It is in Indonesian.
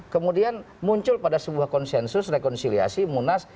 kemudian muncul pada sebuah konsensus rekonsiliasi munas